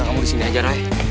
kamu disini aja ray